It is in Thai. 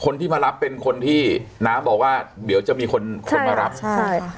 คนที่มารับเป็นคนที่น้ำบอกว่าเดี๋ยวจะมีคนคนมารับใช่ค่ะ